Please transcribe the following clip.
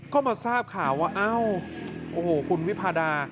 ก็มาทราบข่าวว่าเอ้าโอ้โหคุณวิพาดา